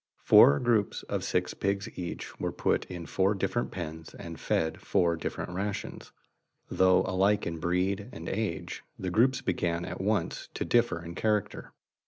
Four groups of six pigs each were put in four different pens and fed four different rations. Though alike in breed and age; the groups began at once to differ in character.